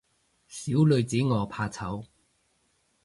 小女子我怕醜